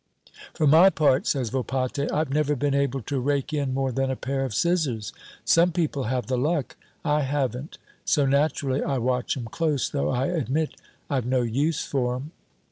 "For my part," says Volpatte, "I've never been able to rake in more than a pair of scissors. Some people have the luck. I haven't. So naturally I watch 'em close, though I admit I've no use for 'em."